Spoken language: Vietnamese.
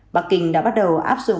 bắc kinh đã bắt đầu áp dụng